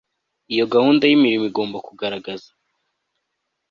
Iyo gahunda y imirimo igomba kugaragaza